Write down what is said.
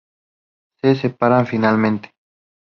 Se separan finalmente.